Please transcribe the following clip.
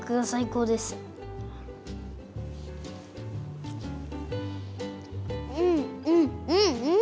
うんうんうんうん！